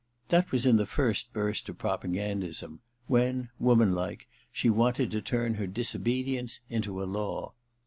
That was in the first burst of propagandism, when, womanlike, she wanted to turn her disobedience into a law.